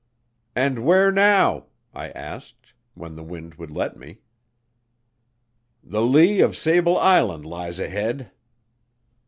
"And where now?" I asked, when the wind would let me. "The lee of Sable Island lies ahead."